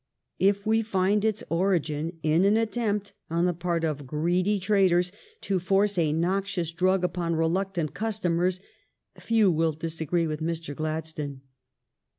^ If we find its origin in an attempt on the part of greedy tradere to force a noxious drug upon reluctant customers, few will disagree with Mr. Gladstone.